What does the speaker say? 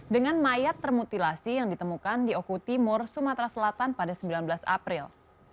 dengan mayat termutilasi yang ditemukan di oku timur sumatera selatan pada sembilan belas april